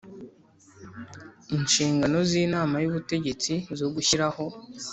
Inshingano z Inama y Ubutegetsi zo gushyiraho